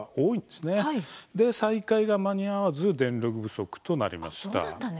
で、再開が間に合わず電力不足となりました。